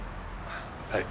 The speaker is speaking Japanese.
はい。